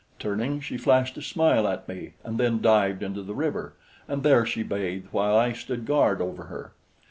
Turning, she flashed a smile at me and then dived into the river, and there she bathed while I stood guard over her.